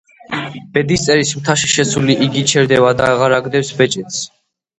ბედისწერის მთაში შესული, იგი ჩერდება და აღარ აგდებს ბეჭედს.